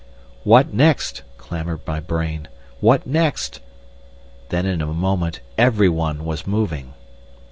"What next?" clamoured my brain; "what next?" Then in a moment every one was moving!